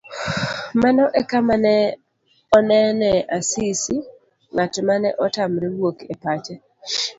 Mano ekama ne onene Asisi, ng'at mane otamre wuok e pache.